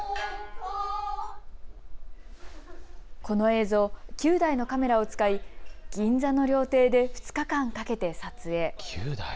この映像、９台のカメラを使い銀座の料亭で２日間かけて撮影。